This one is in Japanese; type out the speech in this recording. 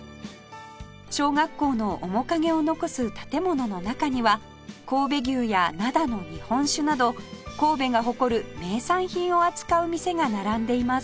小学校の面影を残す建物の中には神戸牛や灘の日本酒など神戸が誇る名産品を扱う店が並んでいます